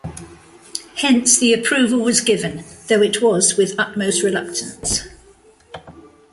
Hence the approval was given, though it was with utmost reluctance.